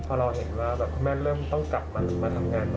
พอเราเห็นว่าแบบคุณแม่เริ่มต้องกลับมาทำงาน